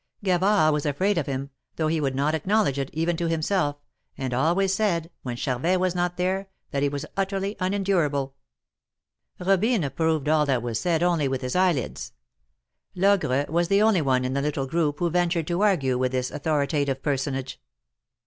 Gavard was afraid of him, though he would not acknowledge it, even to himself, and always said, when Charvet was not there, that he was utterly unendurable. Kobine approved all that was said only with his eyelids. Logre was the only one in the little group who ventured to argue with this authoritative per sonage.